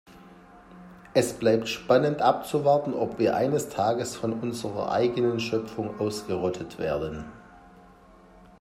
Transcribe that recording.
Es bleibt spannend abzuwarten, ob wir eines Tages von unserer eigenen Schöpfung ausgerottet werden.